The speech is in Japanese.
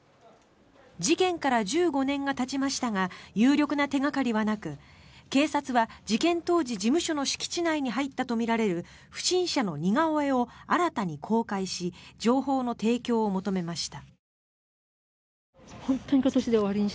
事件から１５年がたちましたが有力な手掛かりはなく警察は事件当時事務所の敷地内に入ったとみられる不審者の似顔絵を新たに公開し情報の提供を求めました。